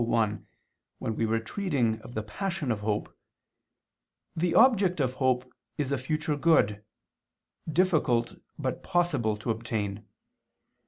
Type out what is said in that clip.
1), when we were treating of the passion of hope, the object of hope is a future good, difficult but possible to obtain.